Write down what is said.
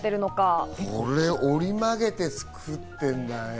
これ、折り曲げて作ってんだ。